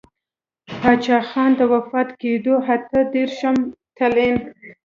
پــاچــاخــان د وفــات کـېـدو اته درېرشم تـلـيـن.